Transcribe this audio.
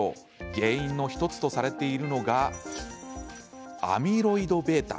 原因の１つとされているのがアミロイドβ。